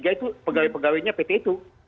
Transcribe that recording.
yaitu pegawai pegawainya pt itu